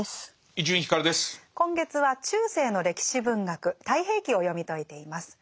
今月は中世の歴史文学「太平記」を読み解いています。